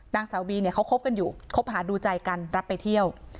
นางสาวบีเนี่ยเขาคบกันอยู่คบหาดูใจกันรับไปเที่ยว